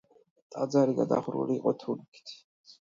ტაძარი გადახურული იყო თუნუქით.